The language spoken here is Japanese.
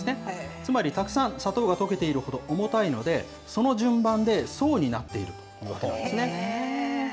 つまりたくさん砂糖が溶けているほど重たいので、その順番で層になっているわけなんですね。